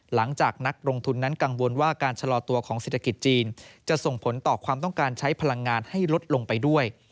นักลงทุนนั้นกังวลว่าการชะลอตัวของเศรษฐกิจจีนจะส่งผลต่อความต้องการใช้พลังงานให้ลดลงไปด้วย